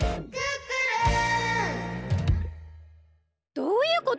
どういうこと？